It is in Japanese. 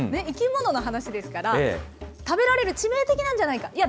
生き物の話ですから、食べられる、致命的なんじゃないか。